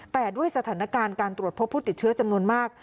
แต่ด้วยสถานการณ์การตรวจพบผู้ติดเชื้อจำนวนมาก